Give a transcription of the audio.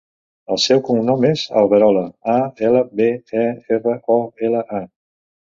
El seu cognom és Alberola: a, ela, be, e, erra, o, ela, a.